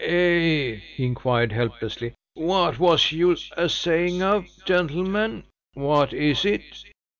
"Hey?" he inquired, helplessly. "What was you a saying of, gentlemen? What is it?"